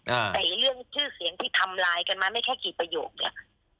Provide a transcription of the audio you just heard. แต่เรื่องชื่อเสียงที่ทำไลน์กันมาไม่แค่กี่ประโยคเนี้ย